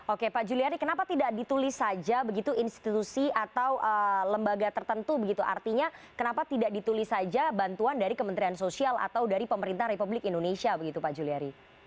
oke pak juliari kenapa tidak ditulis saja begitu institusi atau lembaga tertentu begitu artinya kenapa tidak ditulis saja bantuan dari kementerian sosial atau dari pemerintah republik indonesia begitu pak juliari